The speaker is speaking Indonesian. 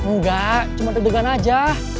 enggak cuma deg degan aja